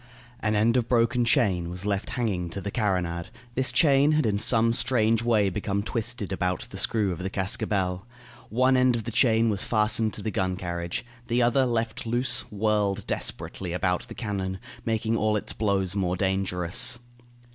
An end of broken chain was left hanging to the carronade. This chain had in some strange way become twisted about the screw of the cascabel. One end of the chain was fastened to the gun carriage. The other, left loose, whirled desperately about the cannon, making all its blows more dangerous.